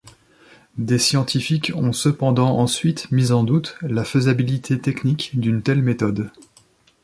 Des scientifiques ont cependant ensuite mis en doute la faisabilité technique d'une telle méthode.